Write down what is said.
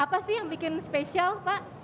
apa sih yang bikin spesial pak